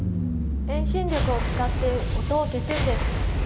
遠心力を使って音を消すんです。